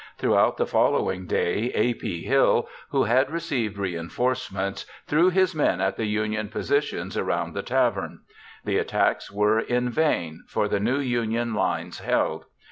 Throughout the following day A. P. Hill, who had received reinforcements, threw his men at the Union positions around the tavern. The attacks were in vain, for the new Union lines held.